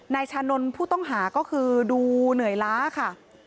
ชานนท์ผู้ต้องหาก็คือดูเหนื่อยล้าค่ะ